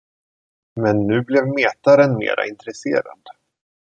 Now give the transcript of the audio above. Men nu blev metaren mera intresserad.